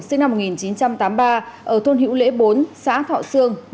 sinh năm một nghìn chín trăm tám mươi ba ở thôn hữu lễ bốn xã thọ sương